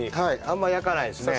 あんまり焼かないですね。